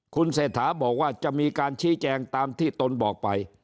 คุณเศรษฐาบอกว่าจะมีการชี้แจงตามที่ตนบอกไป